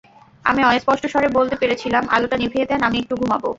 আমি অস্পষ্ট স্বরে বলতে পেরেছিলাম, আলোটা নিভিয়ে দেন, আমি একটু ঘুমাব।